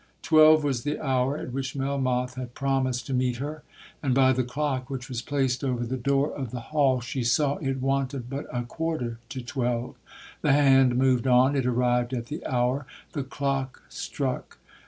Twelve was the hour at which Melmoth had promised to meet her, and by the clock, which was placed over the door of the hall, she saw it wanted but a quarter to twelve. The hand moved on—it arrived at the hour—the clock struck!